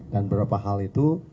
dan beberapa hal itu